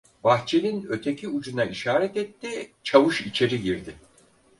Bahçenin öteki ucuna işaret etti, çavuş içeri girdi.